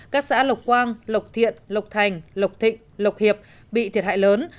các xã lộc quang lộc thiện lộc thành lộc thịnh lộc hiệp bị thiệt hại lớn